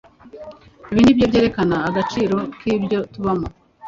ibi nibyo byerekana agaciro ki byo tubamo